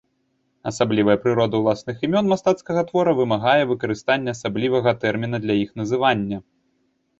Асаблівая прырода ўласных імён мастацкага твора вымагае выкарыстання асаблівага тэрміна для іх называння.